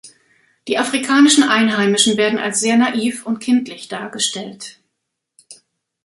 Die afrikanischen Einheimischen werden als sehr naiv und kindlich dargestellt.